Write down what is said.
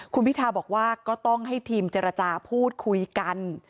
คุณพิทาบอกว่าก็ต้องให้ทีมเจรจาพูดคุยกัน